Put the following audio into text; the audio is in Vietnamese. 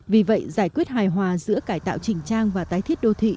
vì vậy giải quyết hài hòa giữa cải tạo chỉnh trang và tái thiết đô thị